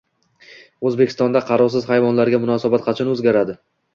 O‘zbekistonda qarovsiz hayvonlarga munosabat qachon o‘zgaradi?